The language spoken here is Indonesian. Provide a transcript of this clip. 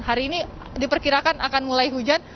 hari ini diperkirakan akan mulai hujan